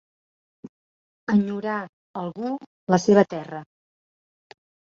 Enyorar, algú, la seva terra.